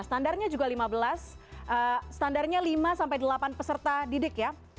standarnya juga lima belas standarnya lima sampai delapan peserta didik ya